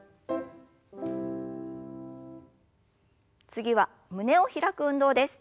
次は胸を開く運動です。